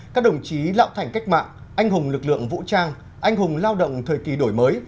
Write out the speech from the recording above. các đồng chí lọ thảnh cách mạng anh hùng lực lượng vũ trang anh hùng lao động thời kỳ đổi mới